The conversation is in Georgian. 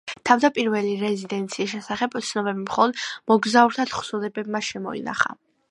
თავდაპირველი რეზიდენციის შესახებ ცნობები მხოლოდ მოგზაურთა თხზულებებმა შემოინახა.